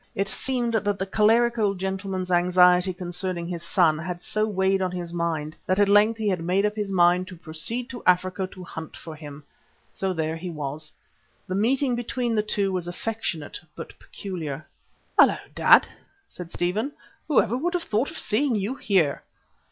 It seemed that the choleric old gentleman's anxiety concerning his son had so weighed on his mind that at length he made up his mind to proceed to Africa to hunt for him. So there he was. The meeting between the two was affectionate but peculiar. "Hullo, dad!" said Stephen. "Whoever would have thought of seeing you here?"